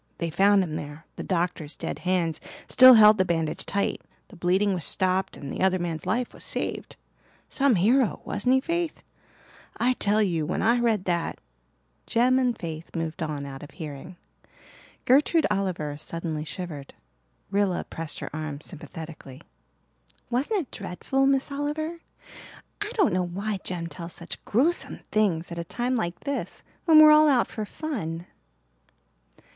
They found them there, the doctor's dead hands still held the bandage tight, the bleeding was stopped and the other man's life was saved. Some hero, wasn't he, Faith? I tell you when I read that " Jem and Faith moved on out of hearing. Gertrude Oliver suddenly shivered. Rilla pressed her arm sympathetically. "Wasn't it dreadful, Miss Oliver? I don't know why Jem tells such gruesome things at a time like this when we're all out for fun."